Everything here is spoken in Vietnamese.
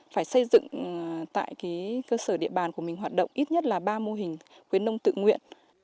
phải xây dựng tại cơ sở địa bàn của mình hoạt động ít nhất là ba mô hình khuyến nông tự nguyện